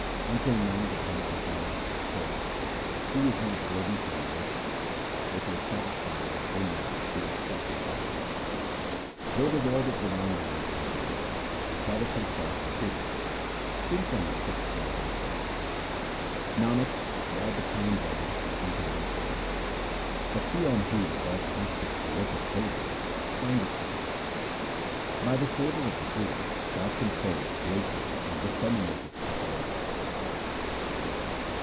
Until man become a philosopher's stone, he is not worthy to be worshipped ; before satisfying his own mind he instructeth others. Though devoid of divine knowledge and blind, he calleth himself a guru : whom can he put in the right way ? Nanak, without the Kind One nothing can be obtained ; but he on whom God casteth a look of favour findeth Him. igS THE SIKH RELIGION By the favour of the Guru God conferreth greatness and disseminateth His word.